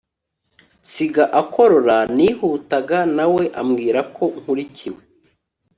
nsiga akorora nihutaga nawe ambwirako nkurikiwe